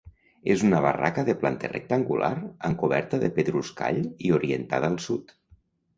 És una barraca de planta rectangular, amb coberta de pedruscall i orientada al sud.